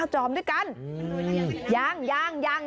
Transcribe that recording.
๙จอมด้วยกัน